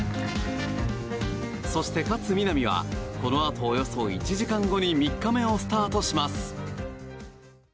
そして、勝みなみはこのあとおよそ１時間後に３日目をスタートします。